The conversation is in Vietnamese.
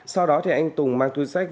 sau đó thì anh tùng mang túi sách